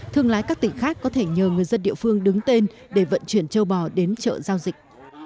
thương lái các tỉnh khác có thể nhờ người dân địa phương đứng tên để vận chuyển châu bò đến chợ giao dịch